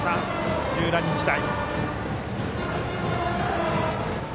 土浦日大。